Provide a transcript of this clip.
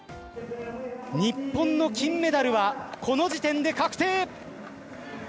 日本の金メダルはこの時点で確定！